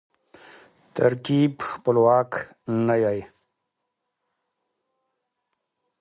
ترکیب خپلواک نه يي.